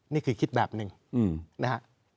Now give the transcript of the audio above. นี่คือคิดแบบหนึ่งนะฮะ